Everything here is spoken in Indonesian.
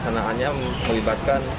kota bogor mencapai dua puluh dua orang